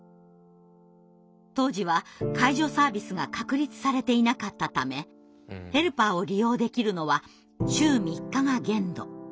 当時は介助サービスが確立されていなかったためヘルパーを利用できるのは週３日が限度。